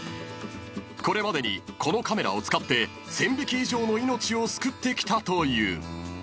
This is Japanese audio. ［これまでにこのカメラを使って１，０００匹以上の命を救ってきたという］